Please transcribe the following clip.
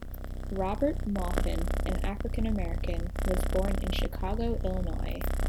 Robert Maupin, an African-American, was born in Chicago, Illinois.